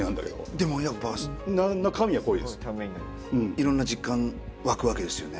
いろんな実感湧くわけですよね。